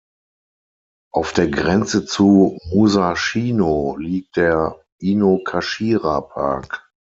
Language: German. Auf der Grenze zu Musashino liegt der Inokashira-Park.